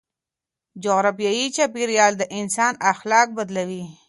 جغرافيايي چاپيريال د انسان اخلاق بدلوي.